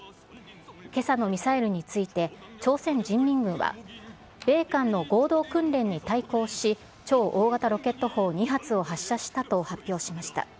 けさのミサイルについて、朝鮮人民軍は、米韓の合同訓練に対抗し、超大型ロケット砲２発を発射したと発表しました。